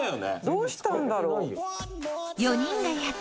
「どうしたんだろう？」